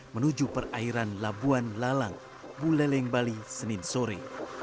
menuju perairan labuan lalang buleleng bali senin sore